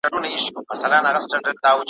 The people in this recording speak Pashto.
دغه که ګناه وي زه پخوا دوږخ منلی یم `